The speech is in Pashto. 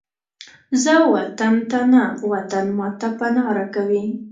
زه وطن ته نه، وطن ماته پناه راکوي